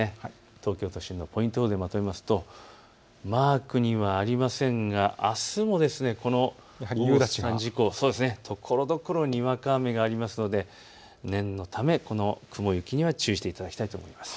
東京都心のポイント予報でまとめますとマークにはありませんがあすもところどころ、にわか雨がありますので念のためこの雲行きには注意していただきたいと思います。